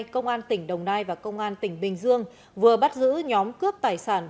công an tỉnh đồng nai và công an tỉnh bình dương vừa bắt giữ nhóm cướp tài sản